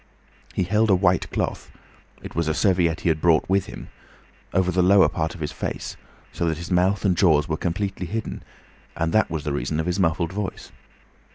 He held a white cloth—it was a serviette he had brought with him—over the lower part of his face, so that his mouth and jaws were completely hidden, and that was the reason of his muffled voice.